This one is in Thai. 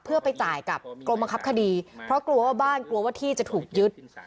เพื่อไปจ่ายกับกรมบังคับคดีเพราะกลัวว่าบ้านกลัวว่าที่จะถูกยึด